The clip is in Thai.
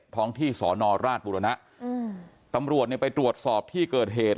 ท้องที่สอนอราชบุรณะอืมตำรวจเนี่ยไปตรวจสอบที่เกิดเหตุ